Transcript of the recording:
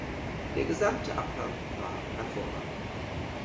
Der gesamte Ablauf war hervorragend.